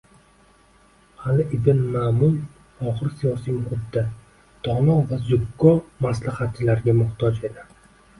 Ali ibn Ma'mun og`ir siyosiy muhitda dono va zukko maslahatchilarga muxtoj edi